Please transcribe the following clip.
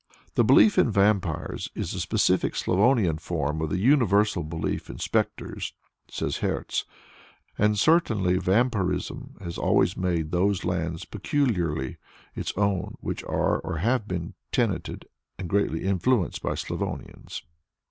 "The belief in vampires is the specific Slavonian form of the universal belief in spectres (Gespenster)," says Hertz, and certainly vampirism has always made those lands peculiarly its own which are or have been tenanted or greatly influenced by Slavonians.